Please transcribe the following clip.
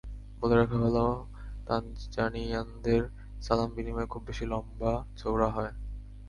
বলে রাখা ভালো তানজানিয়ানদের সালাম বিনিময় খুব বেশি লম্বা চওড়া হয়।